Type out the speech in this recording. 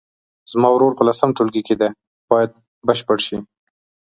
زما ورور په لسم ټولګي کې دی باید بشپړ شي.